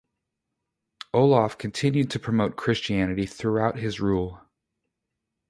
Olaf continued to promote Christianity throughout his rule.